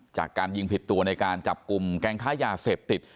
จากการยิงผิดตัวในการจับกลุ่มแก๊งค้ายาเสพติด